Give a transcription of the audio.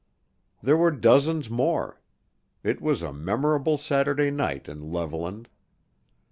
There were dozens more. It was a memorable Saturday night in Levelland.